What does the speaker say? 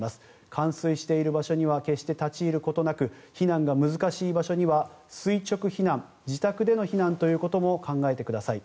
冠水している場所には決して立ち入ることなく避難が難しい場所では垂直避難、自宅での避難ということも考えてください。